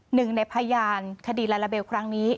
หนึ่งในพยานคดีลาลาเบลครั้งนี้